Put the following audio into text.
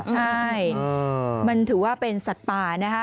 ใช่มันถือว่าเป็นสัตว์ป่านะคะ